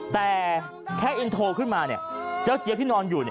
แต่แค่อินโทรขึ้นมาเจ้าเจี๊ยบที่นอนอยู่